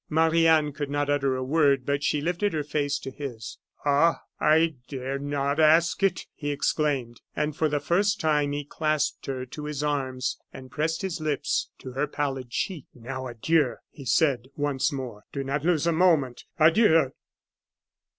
Marie Anne could not utter a word, but she lifted her face to his. "Ah! I dared not ask it!" he exclaimed. And for the first time he clasped her in his arms and pressed his lips to her pallid cheek. "Now adieu," he said once more. "Do not lose a moment. Adieu!"